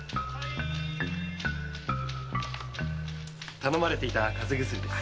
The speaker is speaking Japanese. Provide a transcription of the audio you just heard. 頼まれていた風邪薬です。